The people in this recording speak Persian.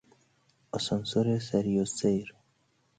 آسانسور سری السیر